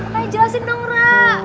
kayak jelasin dong rara